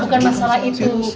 bukan masalah itu